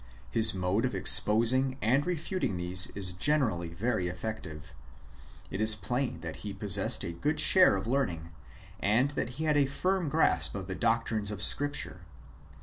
His mode of exposing and refuting these is gene rally very effective. It is plain that he possessed a good share of learning, and that he had a firm grasp of the doctrines of Scripture.